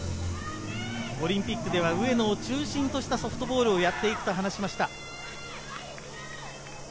オリンピックでは上野を中心としたソフトボールをやっていくと話しました。